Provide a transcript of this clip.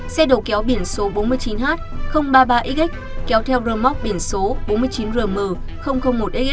xe đầu kéo biển số bốn mươi chín h ba mươi ba xx kéo theo rơm móc biển số bốn mươi chín rm một xx